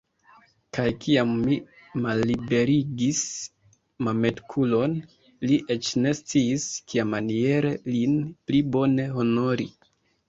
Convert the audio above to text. Kaj kiam ni malliberigis Mametkulon, li eĉ ne sciis, kiamaniere lin pli bone honori!